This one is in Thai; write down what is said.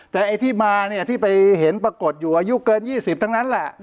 แต่ไอ้ที่มาเนี่ยที่ไปเห็นปรากฏอยู่อายุเกิน๒๐ทั้งนั้นแหละ